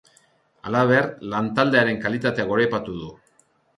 Halaber, lantaldearen kalitatea goraipatu du.